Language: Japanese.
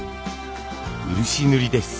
漆塗りです。